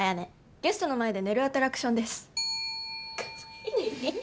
ゲストの前で寝るアトラクションです。